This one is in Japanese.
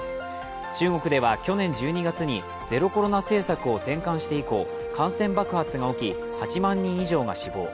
中国では去年１２月にゼロコロナ政策を転換して以降感染爆発が起き、８万人以上が死亡。